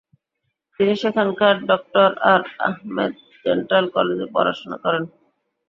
তিনি সেখানকার ড. আর আহমেদ ডেন্টাল কলেজে পড়াশোনা করেন।